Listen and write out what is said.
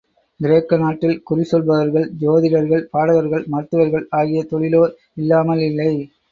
கிரேக்க நாட்டில் குறிசொல்பவர்கள், சோதிடர்கள், பாடகர்கள், மருத்துவர்கள் ஆகிய தொழிலோர் இல்லாமல் இல்லை.